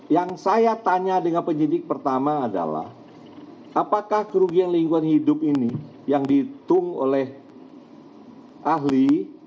yang saya tanya dengan penyidik pertama adalah apakah kerugian lingkungan hidup ini yang dihitung oleh ahli